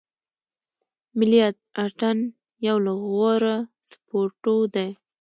ملي اټن یو له غوره سپورټو دی.